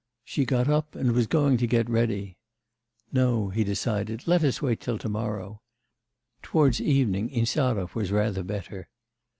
She got up and was going to get ready. 'No,' he decided, 'let us wait till to morrow.' Towards evening Insarov was rather better.